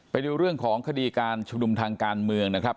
ไปดูเรื่องของคดีการชุมนุมทางการเมืองนะครับ